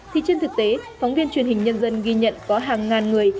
thì trên thực tế phóng viên truyền hình nhân dân ghi nhận có hàng ngàn người